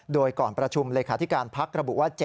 โดยก่อนประชุมเลขาธิการพักระบุว่า